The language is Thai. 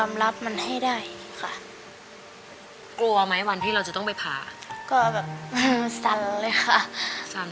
ว่าสำคัญมันคิดอย่างมบก่อน